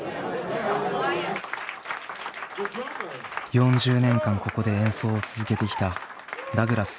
４０年間ここで演奏を続けてきたダグラス